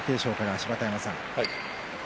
芝田山さん。